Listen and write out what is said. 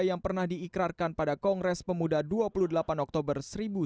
yang pernah diikrarkan pada kongres pemuda dua puluh delapan oktober seribu sembilan ratus empat puluh